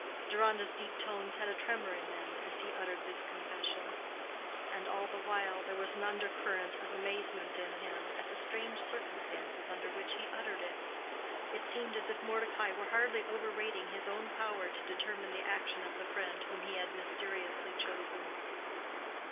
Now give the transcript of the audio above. Deronda's deep tones had a tremor in them as he uttered this confession; and all the while there was an under current of amazement in him at the strange circumstances under which he uttered it. It seemed as if Mordecai were hardly overrating his own power to determine the action of the friend whom he had mysteriously chosen.